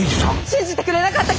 信じてくれなかったくせに！